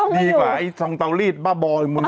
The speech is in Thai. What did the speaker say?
พี่ก้มไม่อยู่